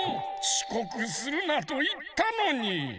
ちこくするなといったのに。